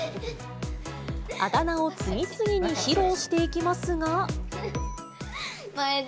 あだ名を次々に披露していき前田。